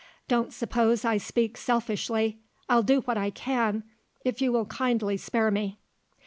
Don't suppose I speak selfishly. I'll do what I can, if you will kindly spare me."